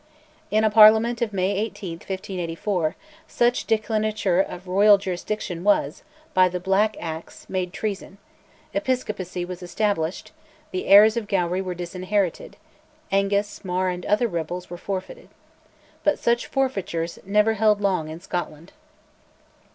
In a Parliament of May 18, 1584, such declinature of royal jurisdiction was, by "The Black Acts," made treason: Episcopacy was established; the heirs of Gowrie were disinherited; Angus, Mar, and other rebels were forfeited. But such forfeitures never held long in Scotland.